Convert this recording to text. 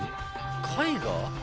「絵画？」